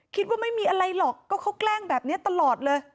คิดว่าไม่มีอะไรหรอกก็เขาแกล้งแบบนี้ตลอดเลย